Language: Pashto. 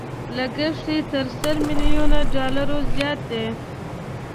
لګښت يې تر سل ميليونو ډالرو زيات دی.